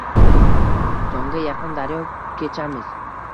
Tongga yaqin daryo kechamiz.